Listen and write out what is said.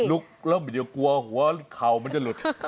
ลุกแล้วไม่ได้กลัวว่าเขามันจะหลุด